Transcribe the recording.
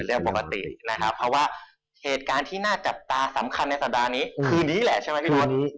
เพราะว่าเหตุการณ์ที่น่าจับตาสำคัญในสัปดาห์นี้คืนนี้แหละใช่ไหมพี่ฮอต